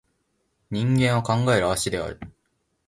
人間は考える葦である